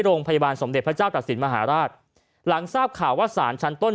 โรงพยาบาลสมเด็จพระเจ้าตัดสินมหาราชหลังทราบข่าวว่าสารชั้นต้น